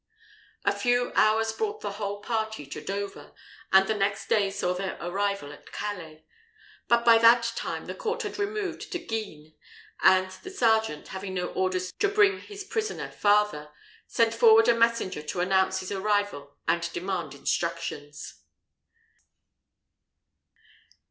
A few hours brought the whole party to Dover, and the next day saw their arrival at Calais; but by that time the court had removed to Guisnes; and the sergeant, having no orders to bring his prisoner farther, sent forward a messenger to announce his arrival and demand instructions.